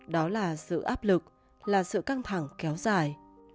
đó là sự áp lực là sự căng thẳng kéo dài